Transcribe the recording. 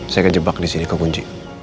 saya kejebak disini ke kunci